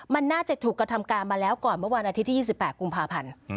มันน่าจะถูกกระทำการมาแล้วก่อนเมื่อวันอาทิตยที่๒๘กุมภาพันธ์